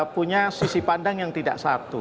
punya sisi pandang yang tidak satu